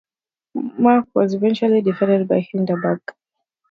Marx was eventually defeated by Hindenburg.